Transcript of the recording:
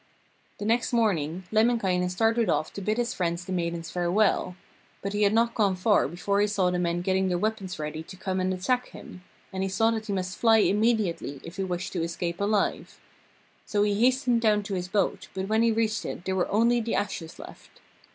The next morning Lemminkainen started off to bid his friends the maidens farewell, but he had not gone far before he saw the men getting their weapons ready to come and attack him, and he saw that he must fly immediately if he wished to escape alive. So he hastened down to his boat, but when he reached it there were only the ashes left.